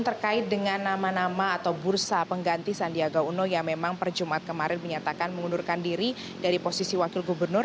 terkait dengan nama nama atau bursa pengganti sandiaga uno yang memang per jumat kemarin menyatakan mengundurkan diri dari posisi wakil gubernur